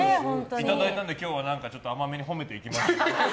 いただいたので今日は甘めに褒めていきます。